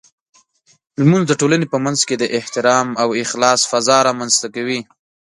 لمونځ د ټولنې په منځ کې د احترام او اخلاص فضاء رامنځته کوي.